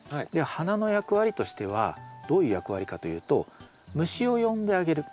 花の役割としてはどういう役割かというと虫を呼んであげる。